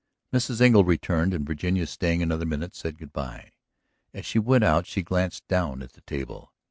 Mrs. Engle returned and Virginia, staying another minute, said good by. As she went out she glanced down at the table.